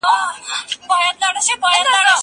زه اوس ليک لولم!!